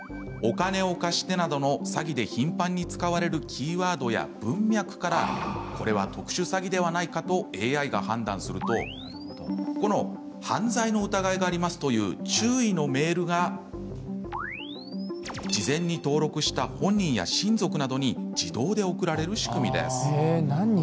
「お金を貸して」などの詐欺で頻繁に使われるキーワードや文脈からこれは特殊詐欺ではないかとＡＩが判断するとこの「犯罪の疑いがあります。」という注意のメールが事前に登録した本人や親族などに自動で送られる仕組みです。